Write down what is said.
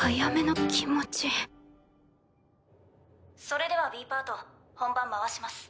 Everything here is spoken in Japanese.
それではＢパート本番回します。